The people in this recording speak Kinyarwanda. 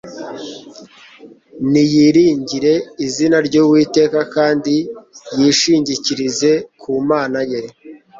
Niyiringire izina ry'Uwiteka, kandi yishingikirize ku Mana ye